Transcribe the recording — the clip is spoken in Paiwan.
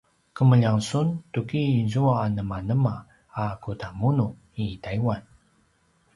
kemeljang sun tuki izua anemanema a kudamunu i taiwan?